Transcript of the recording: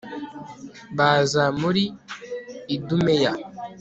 baza muri idumeya